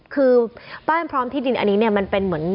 คือบ้านพร้อมที่ดินอันนี้เนี่ยมันเป็นเหมือน